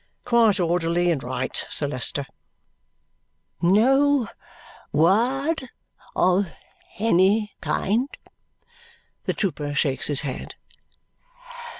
"Quite orderly and right, Sir Leicester." "No word of any kind?" The trooper shakes his head.